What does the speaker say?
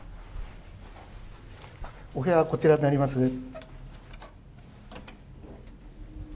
お部屋、こちらになります。